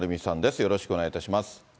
よろしくお願いします。